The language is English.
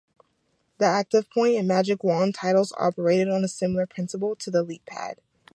The ActivePoint and Magic Wand titles operated on a similar principle to the LeapPad.